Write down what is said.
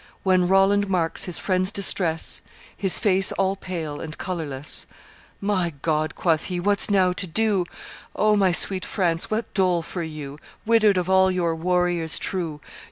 When Roland marks his friend's distress, His face all pale and colorless, 'My God!' quoth he, 'what's now to do? O my sweet France, what dole for you, Widowed of all your warriors true!